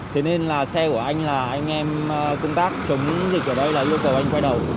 thế nên là xe của anh là anh em công tác chống dịch ở đây là yêu cầu anh quay đầu